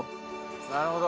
なるほど。